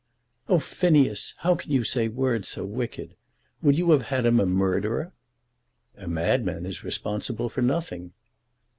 "Oh, Phineas! how can you say words so wicked! Would you have had him a murderer?" "A madman is responsible for nothing."